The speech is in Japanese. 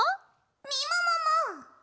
みももも！